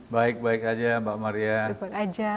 baik baik aja mbak maria